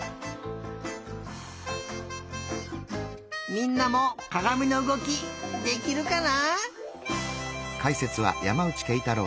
みんなもかがみのうごきできるかな？